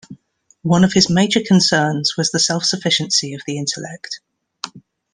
One of his major concerns was the self-sufficiency of the intellect.